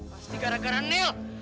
pasti gara gara nil